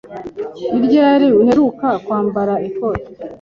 Ni ryari uheruka kwambara ikote?